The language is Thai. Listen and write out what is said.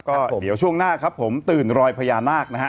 ก็เดี๋ยวช่วงหน้าครับผมตื่นรอยพญานาคนะฮะ